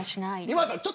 今田さん